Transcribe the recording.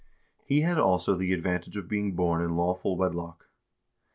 1 He had also the advantage of being born in lawful wed lock.